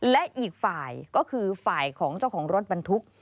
และอีกฝ่ายก็คือฝ่ายของเจ้าของรถบรรทุก